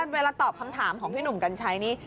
เวลาตอบคำถามของพี่หนุ่มกัญชัยนี่